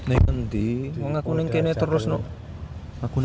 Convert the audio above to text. aku nengkinnya terus dulu